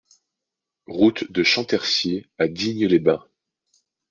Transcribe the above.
Route de Champtercier à Digne-les-Bains